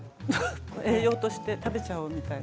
栄養として食べちゃおうみたいな。